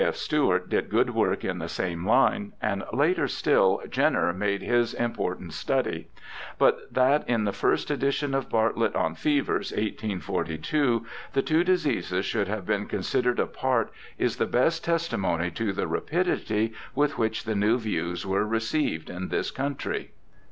F. Stewart did good work in the same line, and later still Jenner made his important study ; but that in the first edition of Bartlett on Fevers, 1842, the two diseases should have been considered apart is the best testimony to the rapidity with which the new views were received in this country.